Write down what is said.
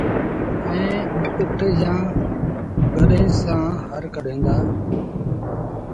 ائيٚݩ اُٺ جآݩ گڏئيٚن سآݩ هر ڪڍين دآ